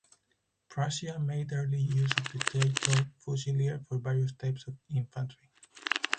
Prussia made early use of the title "fusilier" for various types of infantry.